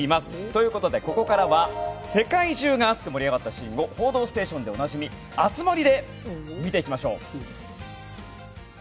ということでここからは世界中が熱く盛り上がったシーンを「報道ステーション」でおなじみ熱盛で見ていきましょう。